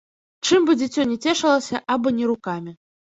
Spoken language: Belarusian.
Чым бы дзіцё не цешылася, абы не рукамі.